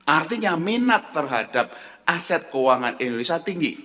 artinya minat terhadap aset keuangan indonesia tinggi